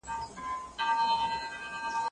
زه اوس زده کړه کوم،